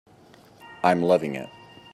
I'm loving it.